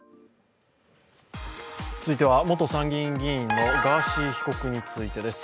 続いては元参議院議員のガーシー被告についてです。